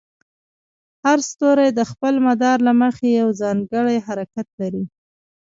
هر ستوری د خپل مدار له مخې یو ځانګړی حرکت لري.